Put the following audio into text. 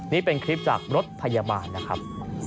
นี่เป็นคลิปจากรถพยาบาลนะครับ